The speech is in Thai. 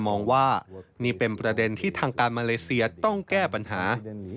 มองว่านี่เป็นประเด็นที่ทางการมาเลเซียต้องแก้ปัญหา